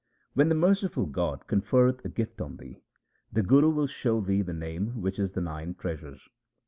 When the merciful God conferreth a gift on thee, the Guru will show thee the Name which is the nine treasures.